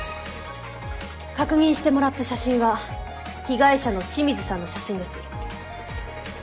確認してもらった写真は被害者の清水さんの写真です。